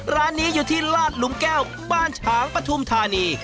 ร้านนี้อยู่ที่ลาดหลุมแก้วบ้านฉางปฐุมธานี